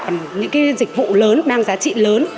những dịch vụ lớn mang giá trị lớn